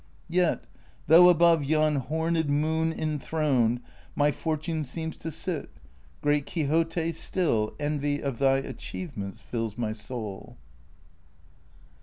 Yet — though above yon horned moon enthroned My fortune seems to sit — great Quixote, still Envy of thy achievements fills my soul.